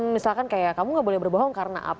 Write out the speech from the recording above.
misalkan kayak kamu gak boleh berbohong karena apa